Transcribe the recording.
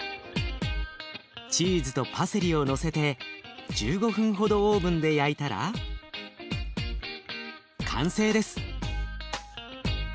チーズとパセリをのせて１５分ほどオーブンで焼いたら完成です。